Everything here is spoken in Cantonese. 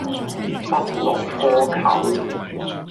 不落窠臼